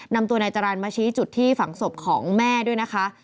นำตัวนายจรรย์มาชี้จุดที่ฝังศพของแม่ด้วยนะคะ